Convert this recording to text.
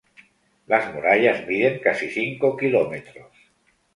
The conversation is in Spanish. Las murallas miden casi cinco kilómetros.